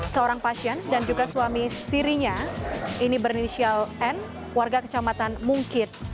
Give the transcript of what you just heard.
seorang pasien dan juga suami sirinya ini bernisial n warga kecamatan mungkit